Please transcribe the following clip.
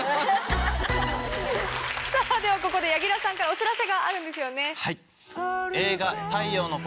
ではここで柳楽さんからお知らせがあるんですよね。